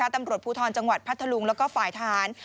ตำรวจภูทรจังหวัดพัทธลุงแล้วก็ฝ่ายทหาร